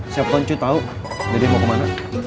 cucu tau dedek mau kemana